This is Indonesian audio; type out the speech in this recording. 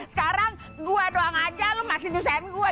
sekarang gue doang aja lo masih nyusahin gue